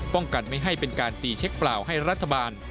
กันไม่ให้เป็นการตีเช็คเปล่าให้รัฐบาล